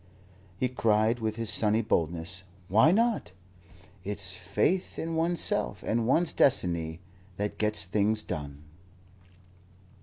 He cried with his sunny boldness: "Why not? It's faith in oneself and one's destiny that gets things done."